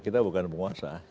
kita bukan penguasa